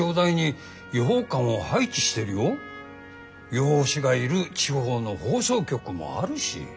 予報士がいる地方の放送局もあるし。